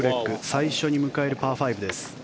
最初に迎えるパー５です。